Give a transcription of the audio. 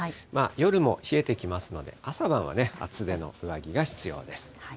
夜も冷えてきますので、朝晩は厚手の上着が必要です。